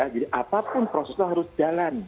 jadi apapun prosesnya harus jalan